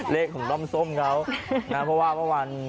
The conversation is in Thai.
เลขของด้อมส้มเขานะเพราะว่าเมื่อวาน